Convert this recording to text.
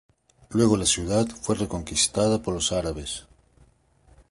Luego la ciudad fue reconquistada por los árabes.